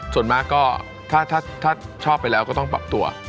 ส่วนมากก็ถ้าชอบไปแล้วก็ต้องปรับตัว